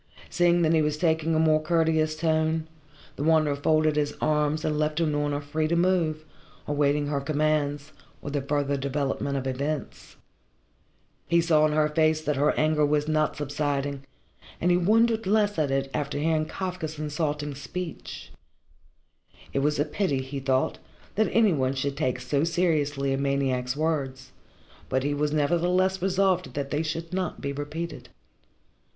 Seeing that he was taking a more courteous tone, the Wanderer folded his arms and left Unorna free to move, awaiting her commands, or the further development of events. He saw in her face that her anger was not subsiding, and he wondered less at it after hearing Kafka's insulting speech. It was a pity, he thought, that any one should take so seriously a maniac's words, but he was nevertheless resolved that they should not be repeated.